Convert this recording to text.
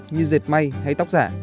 như dệt may hay tóc giả